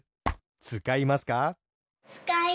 つかいます。